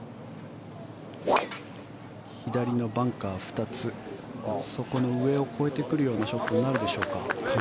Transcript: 左のバンカー２つそこの上を越えてくるようなショットになるでしょうか。